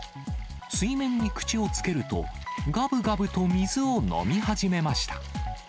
水面に口をつけると、がぶがぶと水を飲み始めました。